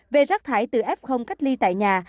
về rác thải từ f cách ly tại nhà